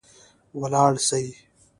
ولاړ سئ